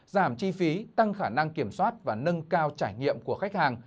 giảm chi phí tăng khả năng kiểm soát và nâng cao trải nghiệm của khách hàng